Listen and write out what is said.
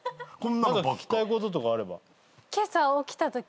何か聞きたいこととかあれば。